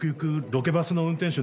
ロケバスの運転手？